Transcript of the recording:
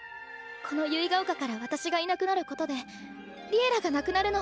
この結ヶ丘から私がいなくなることで「Ｌｉｅｌｌａ！」がなくなるのは嫌なんだ。